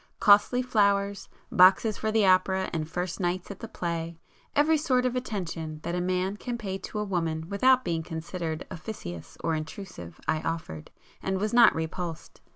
Costly flowers, boxes for the opera and 'first nights' at the play,—every sort of attention that a man can pay to a woman without being considered officious or intrusive I offered, and was not repulsed.